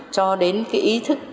cho đến ý thức